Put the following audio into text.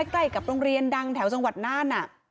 ใกล้กับโรงเรียนดังแถวจังหวัดน่าน